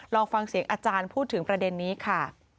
ลองฟังเสียงอาจารย์พูดถึงประเด็นนี้ค่ะ